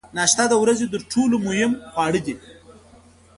ناشته د ورځې تر ټولو مهم خواړه دي.